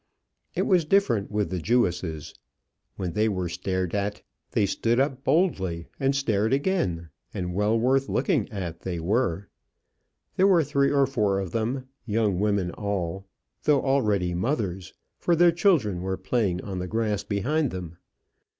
It was different with the Jewesses. When they were stared at, they stood up boldly and stared again; and well worth looking at they were. There were three or four of them, young women all, though already mothers, for their children were playing on the grass behind them.